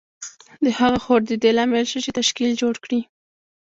د هغه هوډ د دې لامل شو چې تشکیل جوړ کړي